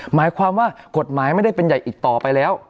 หมายความว่ากฎหมายไม่ได้เป็นใหญ่อีกต่อไปแล้ว